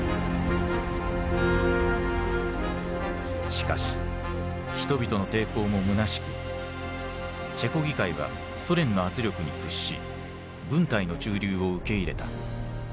しかし人々の抵抗もむなしくチェコ議会はソ連の圧力に屈し軍隊の駐留を受け入れた。